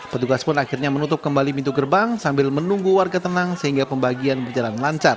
petugas pun akhirnya menutup kembali pintu gerbang sambil menunggu warga tenang sehingga pembagian berjalan lancar